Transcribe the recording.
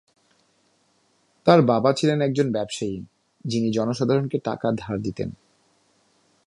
তার বাবা ছিলেন একজন ব্যবসায়ী, যিনি জনসাধারণকে টাকা ধার দিতেন।